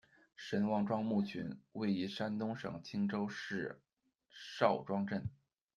神旺庄墓群，位于山东省青州市邵庄镇。